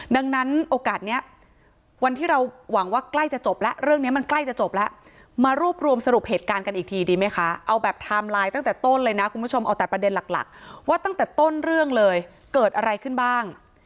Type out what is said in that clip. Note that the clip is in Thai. ดังนั้นโอกาสนี้วันที่เราหวังว่าใกล้จะจบแล้วเรื่องนี้มันใกล้จะจบแล้วมารวบรวมสรุปเหตุการณ์กันอีกทีดีไหมคะเอาแบบไทม์ไลน์ตั้งแต่ต้นเลยนะคุณผู้ชมเอาแต่ประเด็นหลักว่าตั้งแต่ต้นเรื่องเลยเกิดอะไรขึ้นบ้าง